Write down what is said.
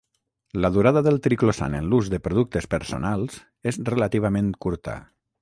La durada del triclosan en l'ús de productes personals és relativament curta.